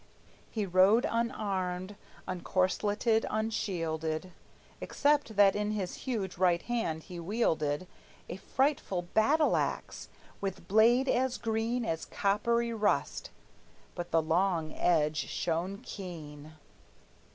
He rode unarmed, uncorsleted, unshielded, Except that in his huge right hand he wielded A frightful battle axe, with blade as green As coppery rust; but the long edge shone keen.